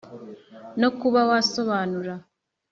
no kuba wasobanura